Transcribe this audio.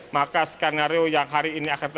maka skenario yang hari ini akan terjadi